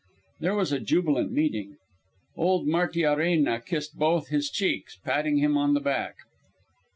There was a jubilant meeting. Old Martiarena kissed both his cheeks, patting him on the back.